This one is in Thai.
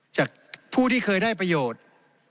จากผู้ที่เคยได้ประโยชน์